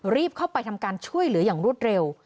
รีบเข้าไปทำการช่วยเหลืออย่างรวดเร็ว